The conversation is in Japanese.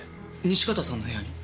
西片さんの部屋に？